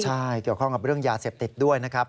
ใช่เกี่ยวข้องกับเรื่องยาเสพติดด้วยนะครับ